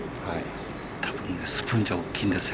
たぶん、スプーンじゃ大きいんですよ。